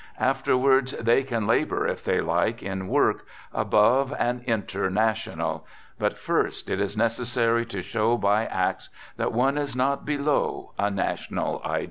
After 64 "THE GOOD SOLDIER wards, they can labor, if they like, in work " above " and " inter " national, but first it is necessary to show by acts that one is not " below " a national ideal.